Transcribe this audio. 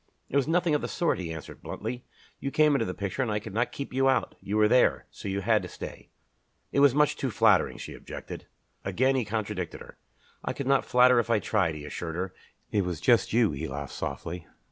"It was nothing of the sort," he answered bluntly. "You came into the picture and I could not keep you out. You were there, so you had to stay." "It was much too flattering," she objected. Again he contradicted her. "I could not flatter if I tried," he assured her. "It was just you." She laughed softly.